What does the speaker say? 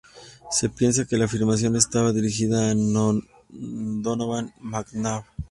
Se piensa que la afirmación estaba dirigida a Donovan McNabb.